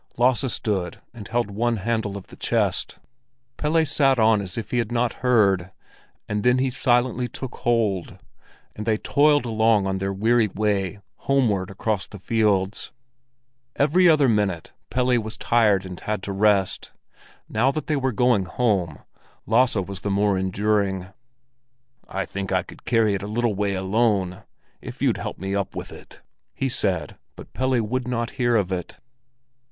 Lasse stood and held one handle of the chest. Pelle sat on as if he had not heard, and then he silently took hold, and they toiled along on their weary way homeward across the fields. Every other minute Pelle was tired and had to rest; now that they were going home, Lasse was the more enduring. "I think I could carry it a little way alone, if you'd help me up with it," he said; but Pelle would not hear of it.